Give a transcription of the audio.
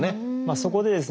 そこでですね